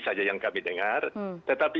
saja yang kami dengar tetapi